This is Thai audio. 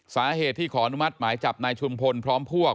สาเหตุที่ขออนุมัติหมายจับนายชุมพลพร้อมพวก